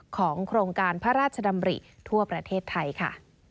ของโครงการพระราชดำริทั่วประเทศไทยค่ะ